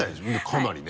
かなりね。